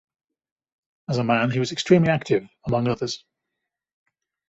As a man he was extremely active, among others.